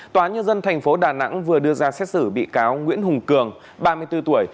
tòa nhân dân tp đà nẵng vừa đưa ra xét xử bị cáo nguyễn hùng cường ba mươi bốn tuổi